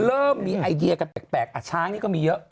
เริ่มมีไอเดียกันแปลกช้างนี่ก็มีเยอะ